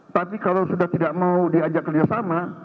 tapi kalau sudah tidak mau diajak kerjasama